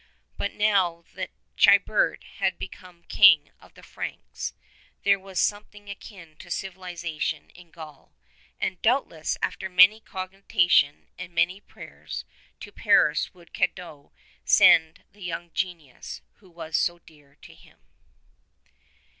But now that Childe bert had become the King of the Franks there was something akin to civilization in Gaul, and, doubtless after much cogi tation and many prayers, to Paris would Cadoc send the young genius who was so dear to him.